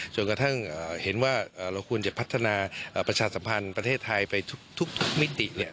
จนกระทั่งเห็นว่าเราควรจะพัฒนาประชาสัมพันธ์ประเทศไทยไปทุกมิติ